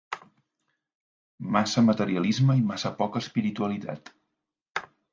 Massa materialisme i massa poca espiritualitat.